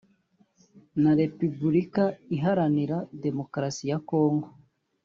na Repubulika iharanira Demokarasi ya Congo